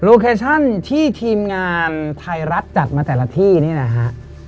เคชั่นที่ทีมงานไทยรัฐจัดมาแต่ละที่นี่นะฮะ